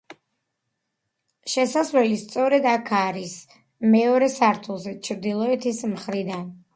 შესასვლელი სწორედ, აქ არის, მეორე სართულზე, ჩრდილოეთის მხრიდან.